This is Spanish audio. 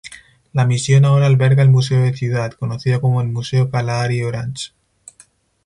La misión ahora alberga al museo de ciudad, conocido como el Museo Kalahari Orange.